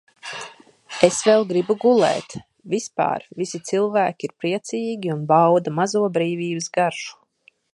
Es vēl gribu gulēt. Vispār visi cilvēki ir priecīgi un bauda mazo brīvības garšu.